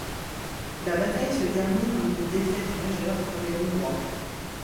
La bataille se termine en une défaite majeure pour les Hongrois.